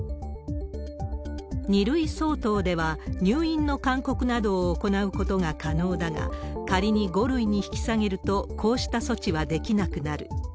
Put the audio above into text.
２類相当では、入院の勧告などを行うことが可能だが、仮に５類に引き下げると、こうした措置はできなくなる。